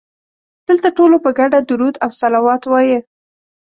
دلته ټولو په ګډه درود او صلوات وایه.